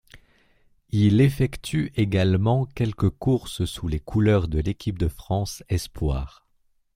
Il effectue également quelques courses sous les couleurs de l'équipe de France espoirs.